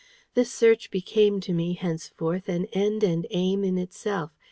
This search became to me henceforth an end and aim in itself.